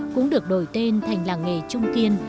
cũng được đổi tên thành làng nghề trung kiên